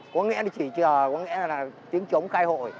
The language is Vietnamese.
có nghĩa chỉ là tiếng chống khai hội